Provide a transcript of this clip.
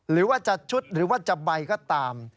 หรือว่าจะชุดหรือว่าจะใบก็ตาม